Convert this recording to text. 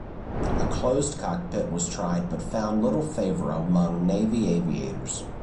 A closed cockpit was tried but found little favor among Navy aviators.